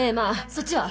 そっちは？